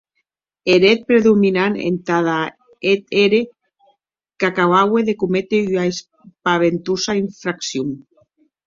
Eth hèt predominant entada eth ère, qu’acabaue de cométer ua espaventosa infraccion.